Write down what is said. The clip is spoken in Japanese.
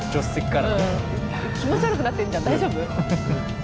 気持ち悪くなってんじゃん大丈夫？